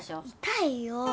痛いよ！